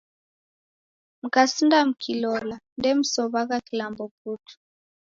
Mkasinda mkilola, ndemsow'agha kilambo putu